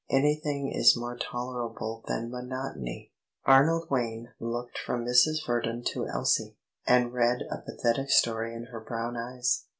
Anything is more tolerable than monotony. Arnold Wayne looked from Mrs. Verdon to Elsie, and read a pathetic story in her brown eyes.